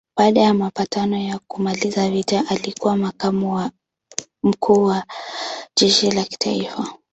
Baada ya mapatano ya kumaliza vita alikuwa makamu wa mkuu wa jeshi la kitaifa.